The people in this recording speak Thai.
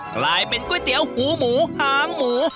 กลายเป็นก๋วยเตี๋ยวหูหมูหางหมู